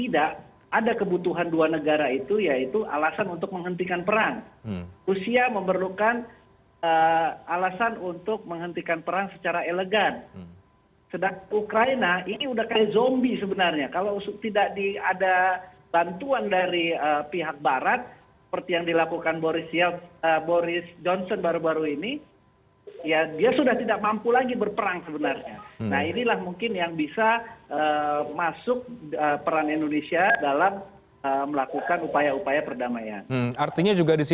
dan kemudian kita telah kasih provisi